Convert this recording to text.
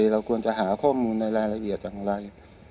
เราควรจะหาข้อมูลในรายละเอียดอย่างไร